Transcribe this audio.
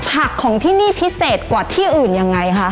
ของที่นี่พิเศษกว่าที่อื่นยังไงคะ